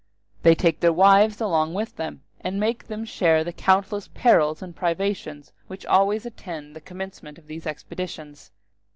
They take their wives along with them, and make them share the countless perils and privations which always attend the commencement of these expeditions.